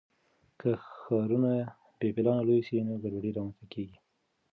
که ښارونه بې پلانه لوی سي نو ګډوډي رامنځته کیږي.